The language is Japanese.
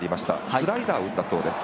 スライダーを打ったそうです。